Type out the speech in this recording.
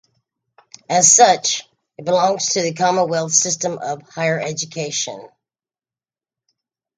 As such, it belongs to the Commonwealth System of Higher Education.